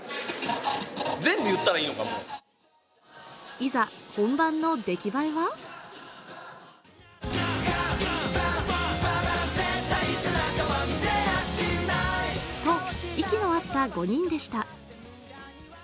いざ、本番のできばえはと息の合った５人でした。